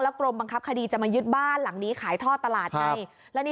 กรมบังคับคดีจะมายึดบ้านหลังนี้ขายท่อตลาดไง